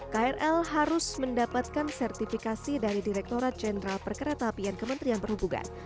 krl harus mendapatkan sertifikasi dari direkturat jenderal perkereta apian kementerian perhubungan